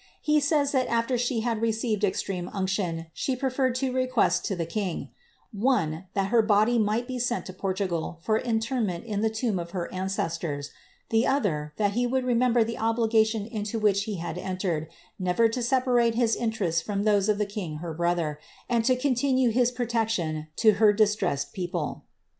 He says, that afler she had received extreme unction, she preferred two requests to the king — one, that her body might be sent to Portugal for interment in the tomb of her ancestors ; the other, that he would remember the obligation into which he had entered, never to separate his interests from those of the king her brother, and to continue his pro tection to her distressed people.''